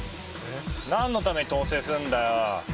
何のために統制すんだよ？